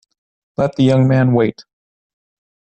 Let the young man wait.